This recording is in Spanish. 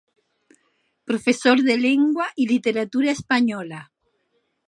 Profesor de lengua y literatura española.